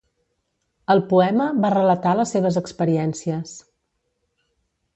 Al poema va relatar les seves experiències.